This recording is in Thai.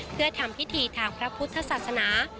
เพื่อทำพิธีทางพระพุทธศาสนา